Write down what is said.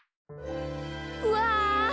うわ！